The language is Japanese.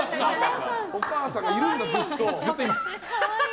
お母さんがいるんだ、ずっと。